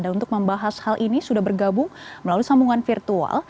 dan untuk membahas hal ini sudah bergabung melalui sambungan virtual